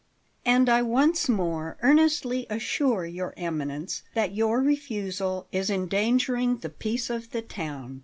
"AND I once more most earnestly assure Your Eminence that your refusal is endangering the peace of the town."